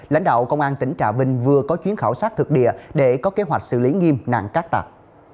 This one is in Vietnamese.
lãnh đạo công an tỉnh trà vinh vừa có chuyến khảo sát thực địa để có kế hoạch xử lý nghiêm nạn cắt tặc